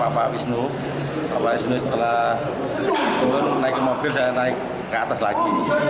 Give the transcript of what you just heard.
bapak wisnu pak wisnu setelah turun naik ke mobil saya naik ke atas lagi